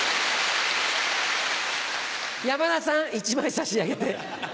山田さん１枚差し上げて。